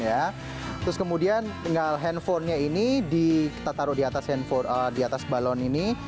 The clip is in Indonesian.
terus kemudian tinggal handphonenya ini kita taruh di atas handphone di atas balon ini